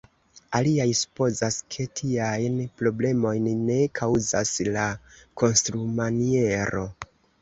Aliaj supozas, ke tiajn problemojn ne kaŭzas la konstrumaniero.